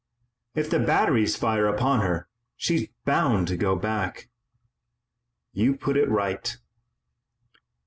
"If the batteries fire upon her she's bound to go back." "You put it right."